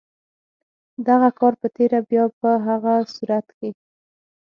دغه کار په تېره بیا په هغه صورت کې.